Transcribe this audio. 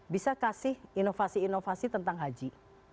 bisa kasih inovasi inovasi tentang haji